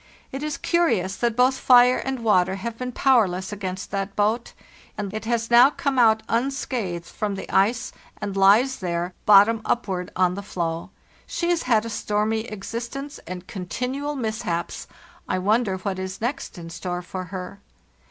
It is curi ous that both fire and water have been powerless against that boat; and it has now come out unscathed from the ice, and lies there bottom upward on the floe. She has had a stormy existence and continual mishaps; I wonder what is next in store for her?